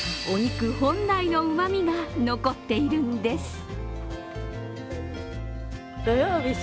お肉本来のうまみが残っているんです。